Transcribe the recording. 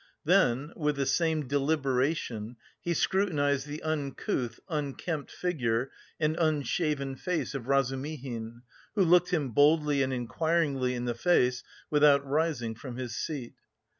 Then with the same deliberation he scrutinised the uncouth, unkempt figure and unshaven face of Razumihin, who looked him boldly and inquiringly in the face without rising from his seat.